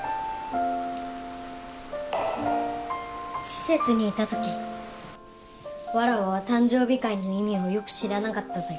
施設にいた時わらわは誕生日会の意味をよく知らなかったぞよ。